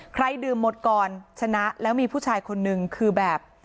ใครดื่มหมดก่อนชนะแล้วมีผู้ชายคนนึงคือแบบ